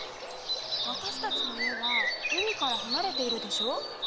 わたしたちの家は海からはなれているでしょ。